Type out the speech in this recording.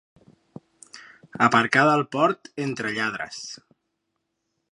Aparcada al port, entre lladres.